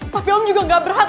tapi om juga gak berhak